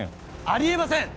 ありえません！